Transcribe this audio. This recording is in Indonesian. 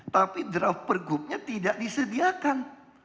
tapi draft pergubnya tidak disediakan